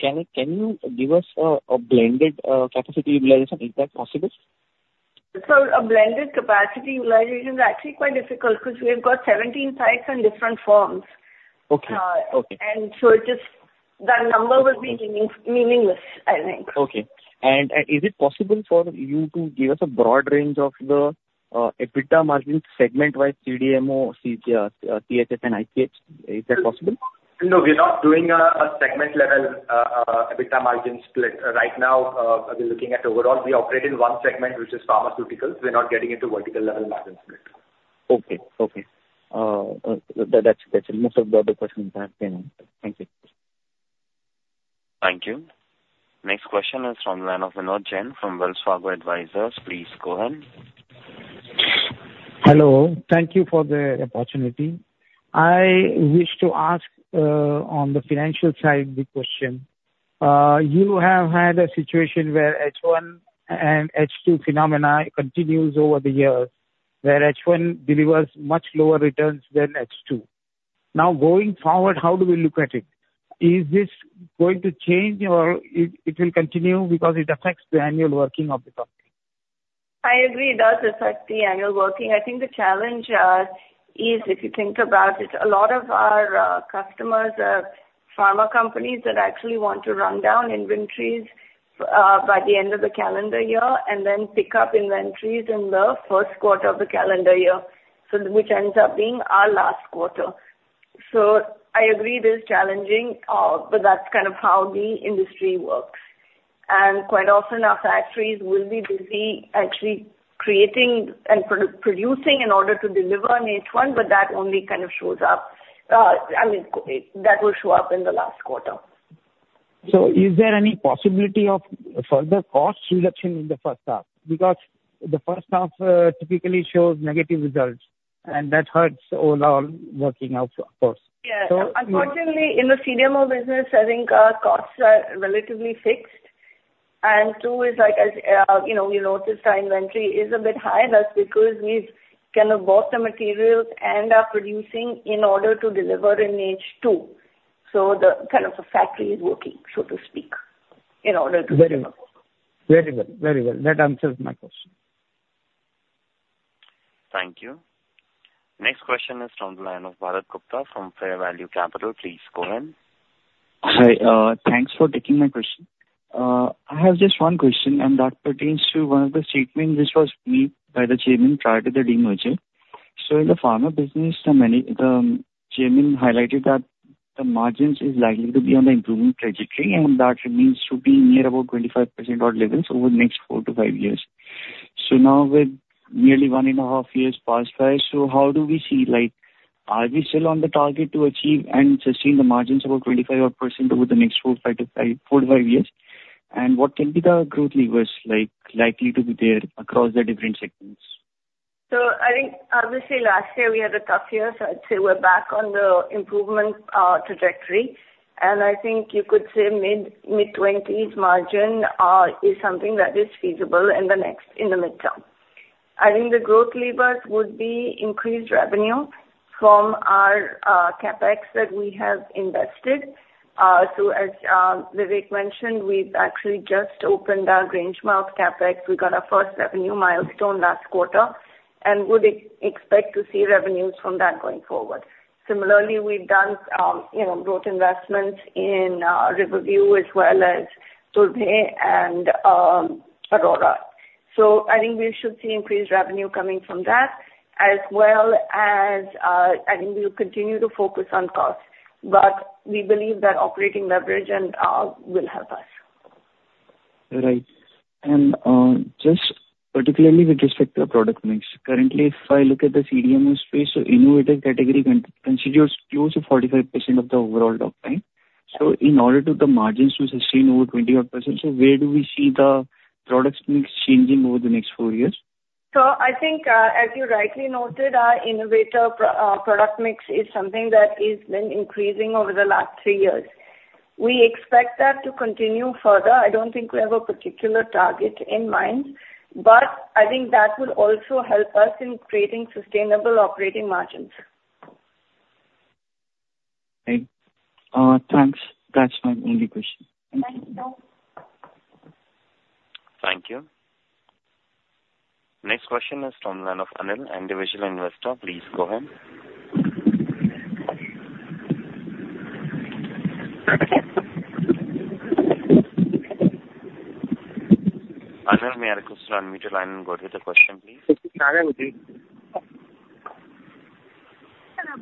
Can you give us a blended capacity utilization, is that possible? A blended capacity utilization is actually quite difficult, 'cause we have got 17 sites and different forms. Okay. Okay. That number would be meaningless, I think. Okay. And is it possible for you to give us a broad range of the EBITDA margin segment-wide CDMO, CG... CHS, and ICH? Is that possible? No, we are not doing a segment level EBITDA margin split. Right now, we're looking at overall. We operate in one segment, which is pharmaceuticals. We're not getting into vertical level margin split. Okay. Okay. That's it. Most of the other questions have been answered. Thank you. Thank you. Next question is from the line of Vinod Jain from Wells Fargo Advisors. Please go ahead. Hello. Thank you for the opportunity. I wish to ask, on the financial side of the question. You have had a situation where H1 and H2 phenomena continues over the years, where H1 delivers much lower returns than H2. Now, going forward, how do we look at it? Is this going to change, or it will continue because it affects the annual working of the company? I agree, it does affect the annual working. I think the challenge is if you think about it, a lot of our customers are pharma companies that actually want to run down inventories by the end of the calendar year, and then pick up inventories in the Q1 of the calendar year, so, which ends up being our last quarter. So I agree it is challenging, but that's kind of how the industry works. And quite often, our factories will be busy actually creating and producing in order to deliver in H1, but that only kind of shows up, I mean, that will show up in the last quarter. So is there any possibility of further cost reduction in the first half? Because the first half typically shows negative results, and that hurts overall working out, of course. Yeah. So- Unfortunately, in the CDMO business, I think, costs are relatively fixed. And two is like, as, you know, we noticed our inventory is a bit high, and that's because we've kind of bought the materials and are producing in order to deliver in H2. So the, kind of the factory is working, so to speak, in order to- Very well. Very well. Very well. That answers my question. Thank you. Next question is from the line of Bharat Gupta from Fair Value Capital. Please go ahead. Hi, thanks for taking my question. I have just one question, and that pertains to one of the statements which was made by the chairman prior to the demerger. So in the pharma business, the chairman highlighted that the margins is likely to be on the improvement trajectory, and that remains to be near about 25% odd levels over the next 4-5 years. So now with nearly 1.5 years passed by, so how do we see, like, are we still on the target to achieve and sustain the margins about 25% odd over the next four, five to five, 4-5 years? And what can be the growth levers, like, likely to be there across the different segments? So I think obviously last year we had a tough year, so I'd say we're back on the improvement trajectory. And I think you could say mid-twenties margin is something that is feasible in the next, in the midterm. I think the growth levers would be increased revenue from our CapEx that we have invested. So as Vivek mentioned, we've actually just opened our Grangemouth CapEx. We got our first revenue milestone last quarter, and would expect to see revenues from that going forward. Similarly, we've done you know growth investments in Riverview as well as Turbhe and Aurora. So I think we should see increased revenue coming from that, as well as I think we'll continue to focus on costs. But we believe that operating leverage and will help us. Right. And, just particularly with respect to the product mix, currently, if I look at the CDMO space, so the innovative category constitutes close to 45% of the overall pipeline. So in order to the margins to sustain over 20+%, so where do we see the product mix changing over the next 4 years? So I think, as you rightly noted, our innovator product mix is something that is been increasing over the last three years. We expect that to continue further. I don't think we have a particular target in mind, but I think that will also help us in creating sustainable operating margins. Right. Thanks. That's my only question. Thank you. Thank you. Next question is from the line of Anil, individual investor. Please go ahead... Anil, may I request you to unmute your line and go ahead with the question, please? Yes, Anil, go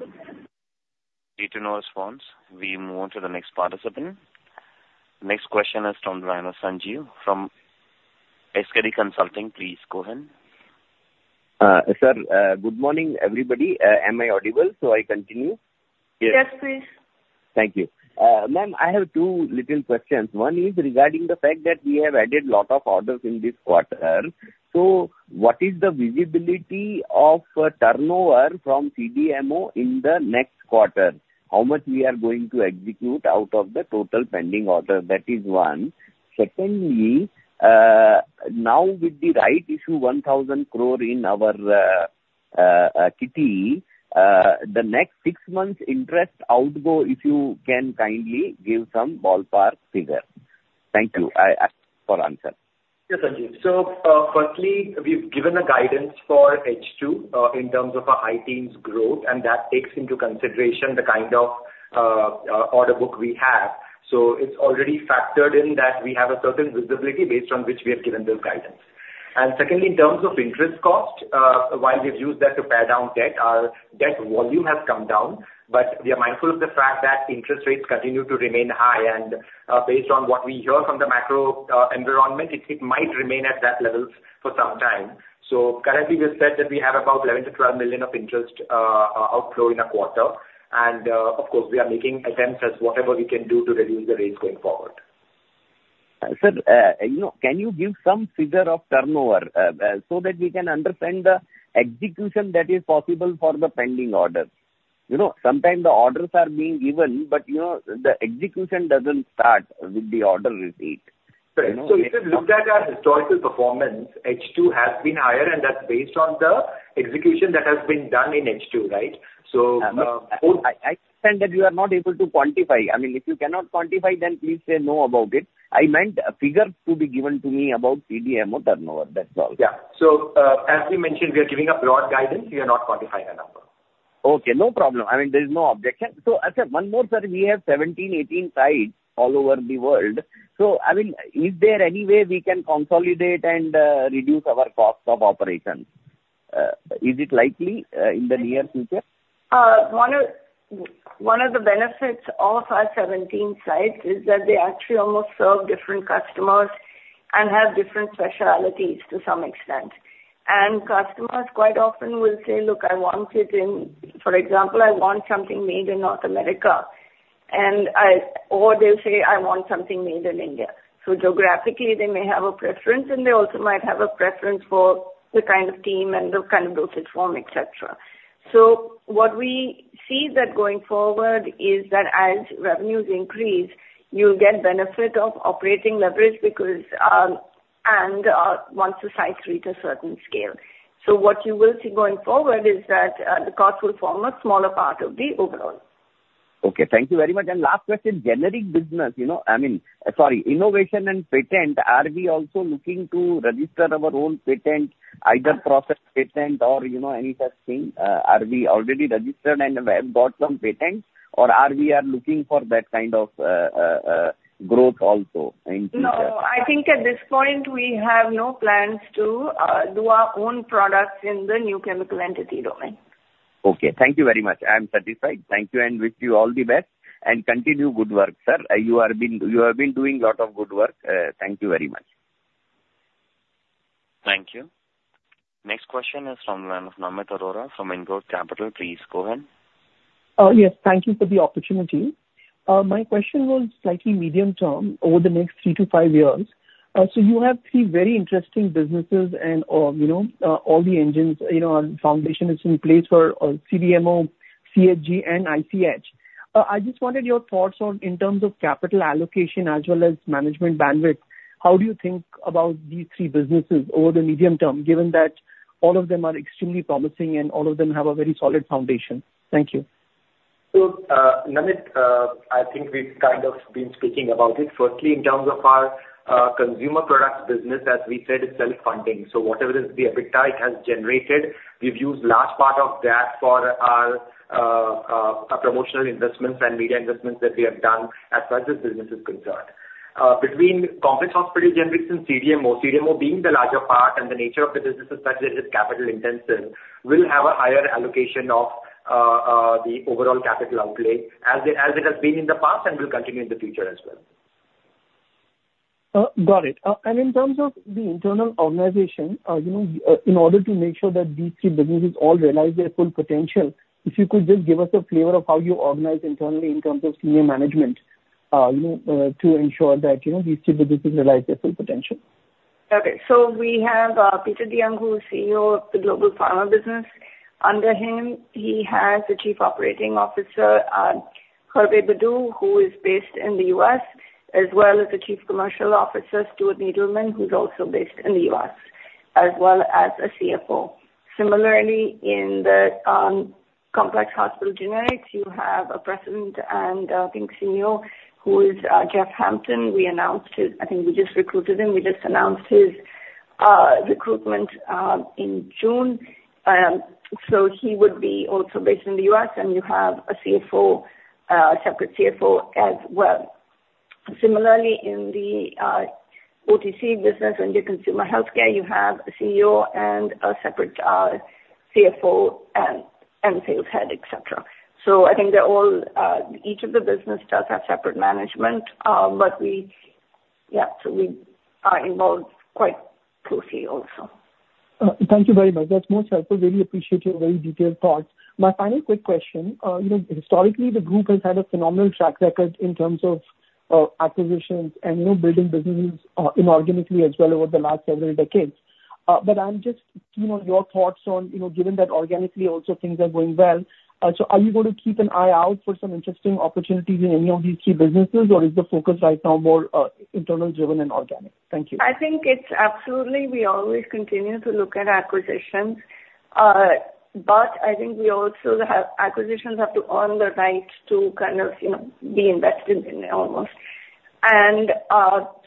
ahead. Due to no response, we move on to the next participant. Next question is from the line of Sanjeev from SKD Consulting. Please go ahead. Sir, good morning, everybody. Am I audible, so I continue? Yes, please. Thank you. Ma'am, I have two little questions. One is regarding the fact that we have added lot of orders in this quarter. So what is the visibility of, turnover from CDMO in the next quarter? How much we are going to execute out of the total pending order? That is one. Secondly, now with the rights issue, 1,000 crore in our, kitty, the next six months interest outgo, if you can kindly give some ballpark figure. Thank you. I, for answer. Yes, Sanjeev. So, firstly, we've given a guidance for H2, in terms of a high teens growth, and that takes into consideration the kind of, order book we have. So it's already factored in that we have a certain visibility based on which we have given this guidance. And secondly, in terms of interest cost, while we've used that to pare down debt, our debt volume has come down, but we are mindful of the fact that interest rates continue to remain high. And, based on what we hear from the macro, environment, it, it might remain at that level for some time. So currently, we've said that we have about 11-12 million of interest, outflow in a quarter. And, of course, we are making attempts as whatever we can do to reduce the rates going forward. Sir, you know, can you give some figure of turnover, so that we can understand the execution that is possible for the pending order? You know, sometimes the orders are being given, but, you know, the execution doesn't start with the order receipt. So if you look at our historical performance, H2 has been higher, and that's based on the execution that has been done in H2, right? So, I understand that you are not able to quantify. I mean, if you cannot quantify, then please say no about it. I meant a figure to be given to me about CDMO turnover, that's all. Yeah. So, as we mentioned, we are giving a broad guidance. We are not quantifying a number. Okay, no problem. I mean, there is no objection. So, sir, one more, sir. We have 17, 18 sites all over the world. So, I mean, is there any way we can consolidate and reduce our cost of operations? Is it likely in the near future? One of the benefits of our 17 sites is that they actually almost serve different customers and have different specialties to some extent. Customers quite often will say, "Look, I want it in..." For example, "I want something made in North America." Or they'll say, "I want something made in India." So geographically, they may have a preference, and they also might have a preference for the kind of team and the kind of dosage form, et cetera. So what we see going forward is that as revenues increase, you'll get benefit of operating leverage because once the sites reach a certain scale. So what you will see going forward is that the cost will form a smaller part of the overall. Okay. Thank you very much. And last question, generic business, you know, I mean, sorry, innovation and patent, are we also looking to register our own patent, either process patent or, you know, any such thing? Are we already registered and have got some patents, or are we looking for that kind of growth also in future? No. I think at this point, we have no plans to do our own products in the new chemical entity domain. Okay. Thank you very much. I'm satisfied. Thank you, and wish you all the best, and continue good work, sir. You have been doing a lot of good work. Thank you very much. Thank you. Next question is from the line of Namit Arora from IndGrowth Capital. Please go ahead. Yes, thank you for the opportunity. My question was slightly medium term, over the next 3-5 years. So you have three very interesting businesses and, you know, all the engines, you know, and foundation is in place for CDMO, CHG, and ICH. I just wanted your thoughts on, in terms of capital allocation as well as management bandwidth, how do you think about these three businesses over the medium term, given that all of them are extremely promising and all of them have a very solid foundation? Thank you. So, Namit, I think we've kind of been speaking about it. Firstly, in terms of our consumer products business, as we said, is self-funding. So whatever is the EBITDA it has generated, we've used large part of that for our promotional investments and media investments that we have done as far as this business is concerned. Between complex hospital generics and CDMO, CDMO being the larger part and the nature of the business is such that it is capital intensive, will have a higher allocation of the overall capital outlay as it, as it has been in the past and will continue in the future as well. Got it. And in terms of the internal organization, you know, in order to make sure that these three businesses all realize their full potential, if you could just give us a flavor of how you organize internally in terms of senior management, you know, to ensure that, you know, these three businesses realize their full potential. Okay. So we have Peter DeYoung, who is CEO of the global pharma business. Under him, he has the Chief Operating Officer, Hervé Berdou, who is based in the US, as well as the Chief Commercial Officer, Stuart Needleman, who's also based in the US, as well as a CFO. Similarly, in the complex hospital generics, you have a president and, I think, CEO, who is Jeffrey Hampton. We announced his recruitment in June. So he would be also based in the US, and you have a CFO, separate CFO as well. Similarly, in the OTC business and the consumer healthcare, you have a CEO and a separate CFO and sales head, et cetera. So I think they're all, each of the business does have separate management, but we, yeah, so we are involved quite closely also. Thank you very much. That's more helpful. Really appreciate your very detailed thoughts. My final quick question. You know, historically, the group has had a phenomenal track record in terms of, acquisitions and, you know, building businesses, inorganically as well over the last several decades. But I'm just, you know, your thoughts on, you know, given that organically also things are going well, so are you going to keep an eye out for some interesting opportunities in any of these key businesses? Or is the focus right now more, internal driven and organic? Thank you. I think it's absolutely, we always continue to look at acquisitions. But I think we also have acquisitions have to earn the right to kind of, you know, be invested in almost.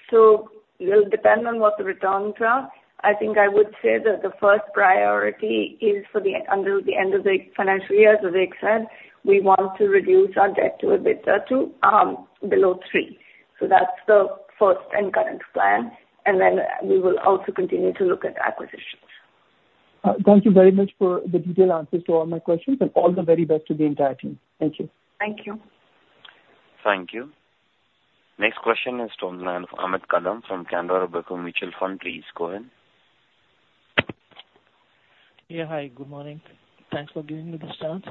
So it'll depend on what the returns are. I think I would say that the first priority is, until the end of the financial year, as Vivek said, we want to reduce our debt to EBITDA to below 3. So that's the first and current plan, and then we will also continue to look at acquisitions. Thank you very much for the detailed answers to all my questions, and all the very best to the entire team. Thank you. Thank you. Thank you. Next question is from Amit Kadam from Canara Robeco Mutual Fund. Please go ahead. Yeah, hi, good morning. Thanks for giving me this chance.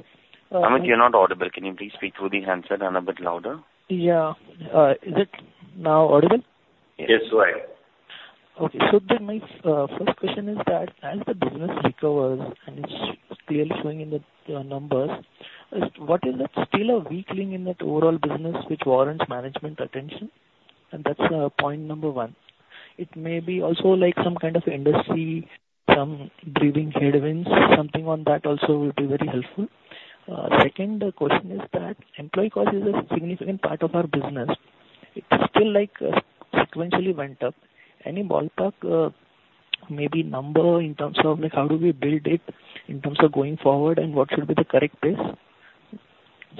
Amit, you're not audible. Can you please speak through the handset and a bit louder? Yeah. Is it now audible? Yes, right. Okay. So then my first question is that as the business recovers, and it's clearly showing in the numbers, is what is it still a weak link in that overall business which warrants management attention? And that's point number one. It may be also like some kind of industry, some breathing headwinds, something on that also would be very helpful. Second question is that employee cost is a significant part of our business. It's still like sequentially went up. Any ballpark maybe number in terms of, like, how do we build it in terms of going forward, and what should be the correct pace?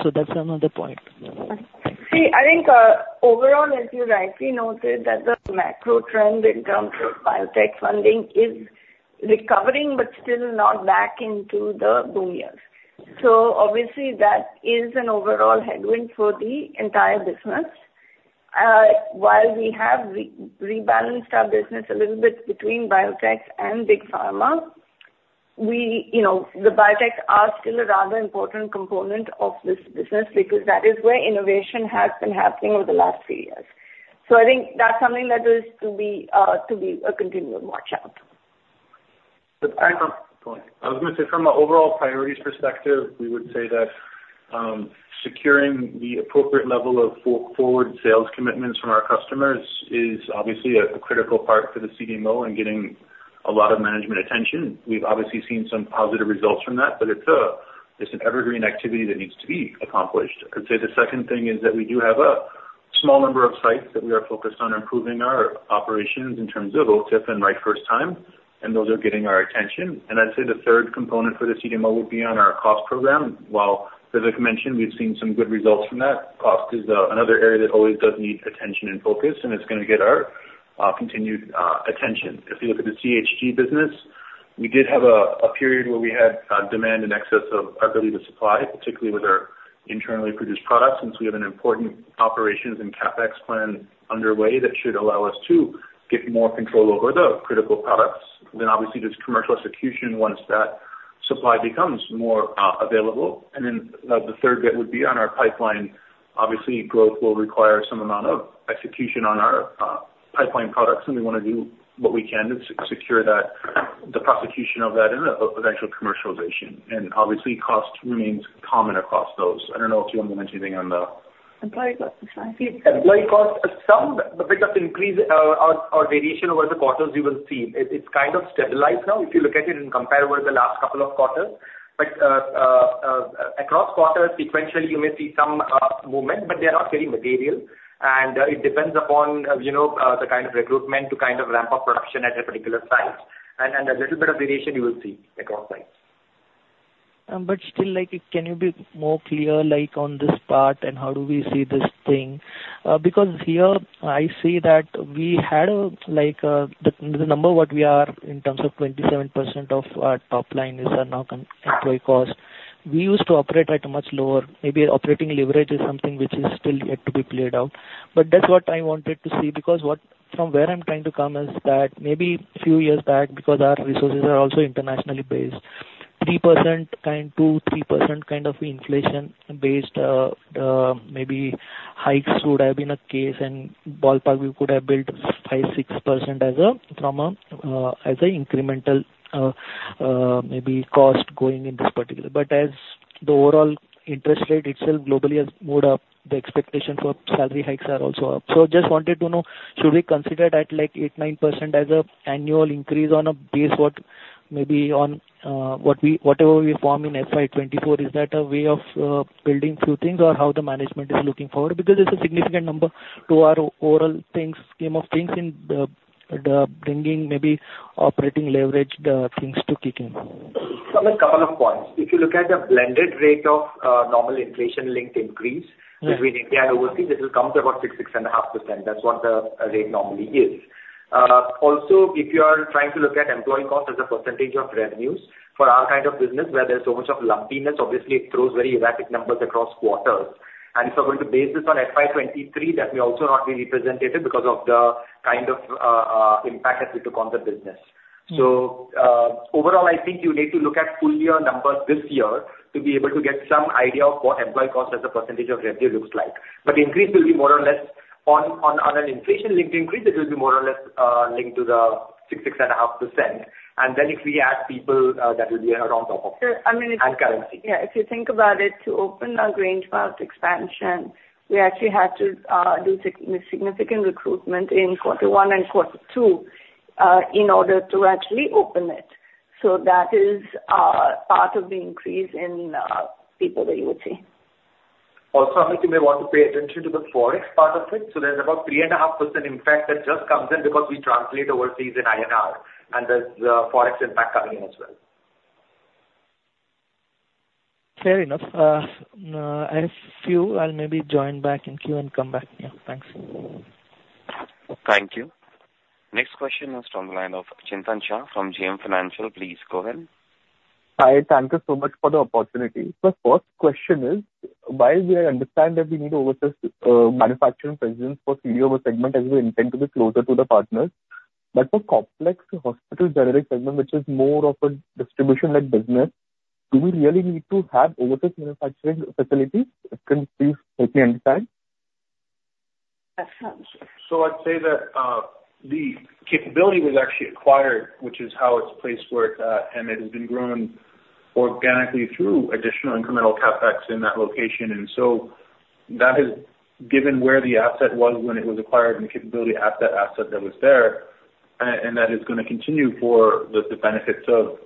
So that's another point. See, I think, overall, as you rightly noted, the macro trend in terms of biotech funding is recovering, but still not back into the boom years. Obviously, that is an overall headwind for the entire business. While we have re-rebalanced our business a little bit between biotech and Big Pharma, you know, the biotech are still a rather important component of this business because that is where innovation has been happening over the last few years. I think that's something that is to be, to be a continued watch out. I was going to say from an overall priorities perspective, we would say that securing the appropriate level of forward sales commitments from our customers is obviously a critical part for the CDMO and getting a lot of management attention. We've obviously seen some positive results from that, but it's an evergreen activity that needs to be accomplished. I'd say the second thing is that we do have a small number of sites that we are focused on improving our operations in terms of OTIF and right first time, and those are getting our attention. I'd say the third component for the CDMO would be on our cost program. While Vivek mentioned, we've seen some good results from that. Cost is another area that always does need attention and focus, and it's going to get our continued attention. If you look at the CHG business, we did have a period where we had demand in excess of our ability to supply, particularly with our internally produced products. Since we have an important operations and CapEx plan underway, that should allow us to get more control over the critical products, then obviously there's commercial execution once that supply becomes more available. And then the third bit would be on our pipeline. Obviously, growth will require some amount of execution on our pipeline products, and we want to do what we can to secure that, the prosecution of that and the eventual commercialization. And obviously, cost remains common across those. I don't know if you want to mention anything on the- Employee cost. Please. Employee cost, some bit of increase, or variation over the quarters you will see. It's kind of stabilized now if you look at it and compare over the last couple of quarters. But, across quarters, sequentially, you may see some movement, but they are not very material. And, it depends upon, you know, the kind of recruitment to kind of ramp up production at a particular site. And a little bit of variation you will see across sites. But still, like, can you be more clear, like, on this part and how do we see this thing? Because here I see that we had a, like, the number what we are in terms of 27% of our top line is our now employee cost. We used to operate at a much lower, maybe operating leverage is something which is still yet to be played out. But that's what I wanted to see, because what-- from where I'm trying to come is that maybe a few years back, because our resources are also internationally based, 3% kind, 2%-3% kind of inflation based, maybe hikes would have been a case and ballpark we could have built 5%-6% as a, from a, as a incremental, maybe cost going in this particular. But as the overall interest rate itself globally has more up, the expectation for salary hikes are also up. So just wanted to know, should we consider that like 8%-9% as a annual increase on a base what?... maybe on, what we, whatever we from in FY 2024, is that a way of, building few things, or how the management is looking forward? Because it's a significant number to our overall things, scheme of things in the, the bringing maybe operating leverage, the things to kick in. So there's a couple of points. If you look at the blended rate of, normal inflation-linked increase- Mm-hmm. - between India and overseas, it will come to about 6-6.5%. That's what the rate normally is. Also, if you are trying to look at employee cost as a percentage of revenues, for our kind of business where there's so much of lumpiness, obviously it throws very erratic numbers across quarters. And if you're going to base this on FY 2023, that may also not be representative because of the kind of impact that we took on the business. Mm. Overall, I think you need to look at full year numbers this year to be able to get some idea of what employee cost as a percentage of revenue looks like. The increase will be more or less on, on, on an inflation-linked increase, it will be more or less linked to the 6-6.5%. If we add people, that will be around on top of. I mean, if- And currency. Yeah, if you think about it, to open our Grangemouth expansion, we actually had to do significant recruitment in 1Q and Q2, in order to actually open it. So that is part of the increase in people that you would see. Also, Amit, you may want to pay attention to the Forex part of it. So there's about 3.5% impact that just comes in because we translate overseas in INR, and there's the Forex impact coming in as well. Fair enough. I have a few. I'll maybe join back in queue and come back. Yeah, thanks. Thank you. Next question is on the line of Chintan Shah from JM Financial. Please go ahead. Hi, thank you so much for the opportunity. So first question is, while we understand that we need overseas manufacturing presence for CDMO segment, as we intend to be closer to the partners, but for complex hospital generic segment, which is more of a distribution-like business, do we really need to have overseas manufacturing facilities? Can you please help me understand? Uh, sure. I'd say that the capability was actually acquired, which is how it's placed where it's at, and it has been growing organically through additional incremental CapEx in that location. That has, given where the asset was when it was acquired and the capability at that asset that was there, and that is gonna continue for the benefits of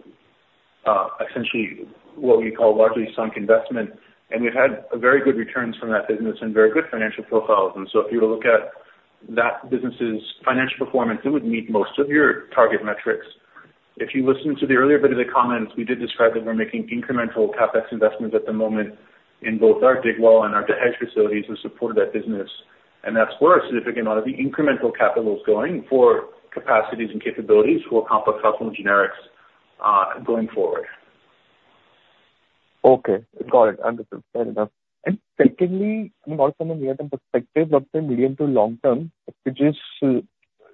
essentially what we call largely sunk investment. We've had very good returns from that business and very good financial profiles. If you were to look at that business's financial performance, it would meet most of your target metrics. If you listen to the earlier bit of the comments, we did describe that we're making incremental CapEx investments at the moment in both our Bethlehem (Digwal) and our Riverview facilities to support that business. That's where a significant amount of the incremental capital is going for capacities and capabilities for complex hospital generics, going forward. Okay. Got it. Understood. Fair enough. And secondly, you know, from a near-term perspective of the medium to long term, which is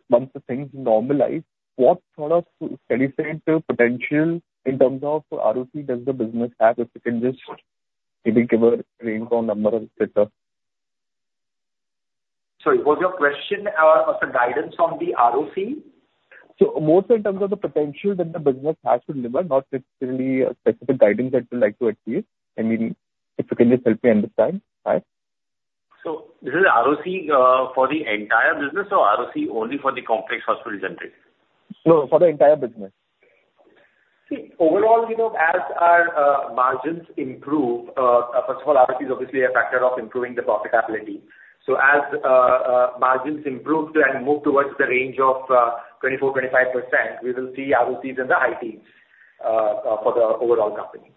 once the things normalize, what sort of steady-state potential in terms of ROC does the business have? If you can just maybe give a range or number of it, sir. Sorry, was your question of the guidance on the ROC? More in terms of the potential that the business has to deliver, not necessarily a specific guidance that you'd like to achieve. I mean, if you can just help me understand, Is it ROC for the entire business or ROC only for the complex hospital generic? No, for the entire business. See, overall, you know, as our margins improve, first of all, ROC is obviously a factor of improving the profitability. So as margins improve and move towards the range of 24%-25%, we will see ROCs in the high teens for the overall company.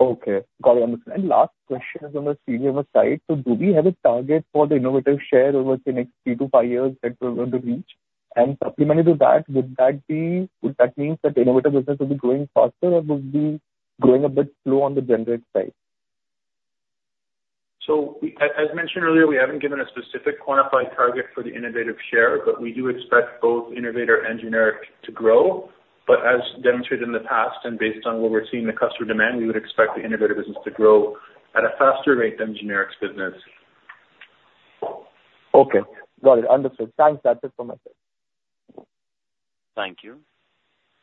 Okay. Got it, understood. And last question is on the CDMO side. So do we have a target for the innovative share over the next 3-5 years that we're going to reach? And supplementary to that, would that be- would that mean that the innovative business will be growing faster or would be growing a bit slow on the generic side? We, as mentioned earlier, we haven't given a specific quantified target for the innovative share, but we do expect both innovator and generic to grow. As demonstrated in the past and based on what we're seeing in the customer demand, we would expect the innovator business to grow at a faster rate than generics business. Okay. Got it. Understood. Thanks. That's it from my side. Thank you.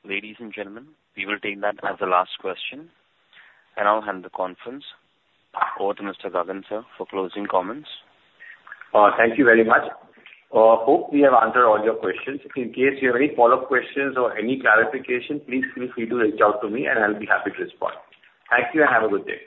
Ladies and gentlemen, we will take that as the last question, and I'll end the conference over to Mr. Gagan sir, for closing comments. Thank you very much. Hope we have answered all your questions. In case you have any follow-up questions or any clarification, please feel free to reach out to me, and I'll be happy to respond. Thank you, and have a good day.